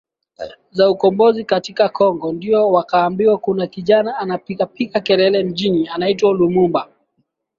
za ukombozi katika Kongo ndio wakaambiwa kuna kijana anapigapiga kelele mjini pale anaitwa Lumumba